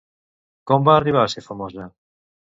Com va arribar a ser famosa?